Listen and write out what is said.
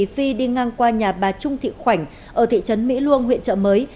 phi đi ngang qua nhà bà trung thị khoảnh ở thị trấn mỹ luông huyện trợ mới